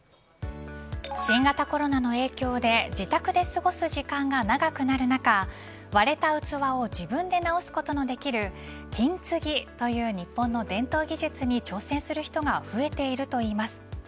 新型コロナの影響で自宅で過ごす時間が長くなる中割れた器を自分で直すことのできる金継ぎという日本の伝統技術に挑戦する人が増えているといいます。